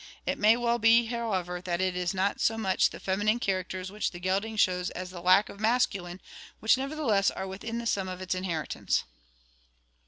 It may well be, however, that it is not so much the feminine characters which the gelding shows as the lack of masculine which nevertheless are within the sum of its inheritance.